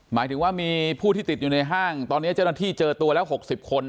หมายถึงว่ามีผู้ที่ติดอยู่ในห้างตอนนี้เจ้าหน้าที่เจอตัวแล้ว๖๐คน